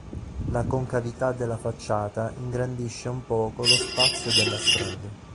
La concavità della facciata ingrandisce un poco lo spazio della strada.